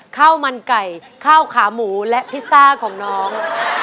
ข้าวมันไก่ข้าวขาหมูและพิซซ่าของน้อง